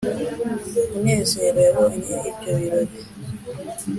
Munezero yabonye ibyo birori